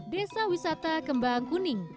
desa wisata kembang kuning